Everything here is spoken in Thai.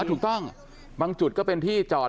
ถูกต้องบางจุดก็เป็นที่จอด